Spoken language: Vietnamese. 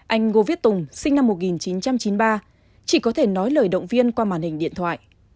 anh ngô viết tùng sinh năm một nghìn chín trăm chín mươi ba chỉ có thể nói lời động viên qua màn hình điện thoại